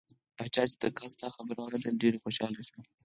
پاچا چې د قاصد دا خبرې واوریدلې ډېر خوشحاله شو.